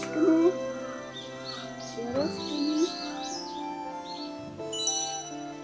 よろしくね。